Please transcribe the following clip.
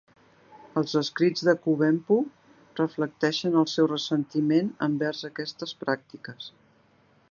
Els escrits de Kuvempu reflecteixen el seu ressentiment envers aquestes pràctiques.